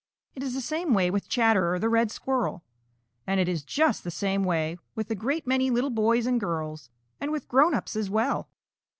It is the same way with Chatterer the Red Squirrel. And it is just the same way with a great many little boys and girls, and with grown ups as well.